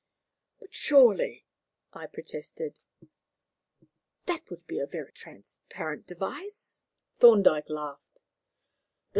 "But surely," I protested, "that would be a very transparent device." Thorndyke laughed.